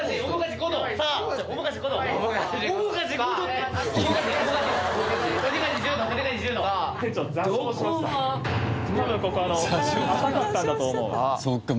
今ここ浅かったんだと思う。